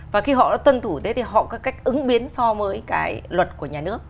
và khi họ đã tuân thủ thế thì họ có cách ứng biến so với cái luật của nhà nước